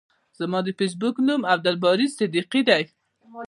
زما د فیسبوک نوم عبدالباری صدیقی ده.